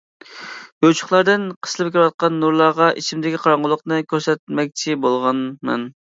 يوچۇقلاردىن قىسىلىپ كىرىۋاتقان نۇرلارغا ئىچىمدىكى قاراڭغۇلۇقنى كۆرسەتمەكچى بولغانمەن.